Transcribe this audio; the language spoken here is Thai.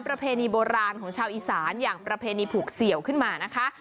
ประเพณีโบราณของชาวอีสานอย่างประเพณีผูกเสี่ยวขึ้นมานะคะ